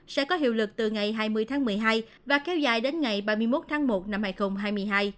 sẽ có hiệu lực từ ngày hai mươi tháng một mươi hai và kéo dài đến ngày ba mươi một tháng một năm hai nghìn hai mươi hai